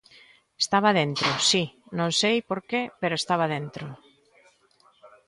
Estaba dentro, si, non sei porqué pero estaba dentro.